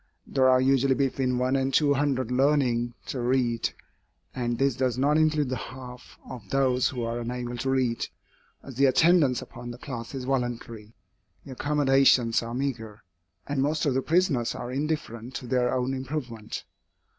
There are usually between one and two hundred learning to read, and this does not include the half of those who are unable to read, as the attendance upon the class is voluntary, the accommodations are meagre, and most of the prisoners are indifferent to their own improvement.